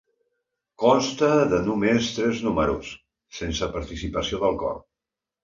Consta de només tres números, sense participació del cor.